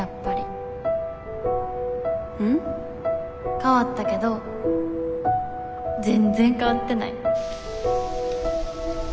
変わったけど全然変わってない。